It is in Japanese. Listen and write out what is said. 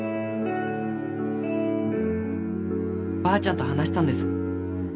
ばあちゃんと話したんです。